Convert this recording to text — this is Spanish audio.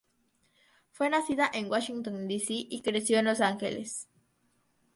Fue nacida en Washington D. C., y creció en Los Ángeles.